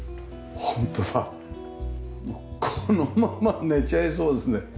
ホントさこのまま寝ちゃいそうですね。